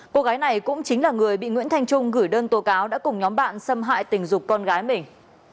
cô gái này cũng chính là người bị nguyễn thanh trung gửi đơn tố cáo đã cùng nhóm bạn xâm hại tình dục con gái mình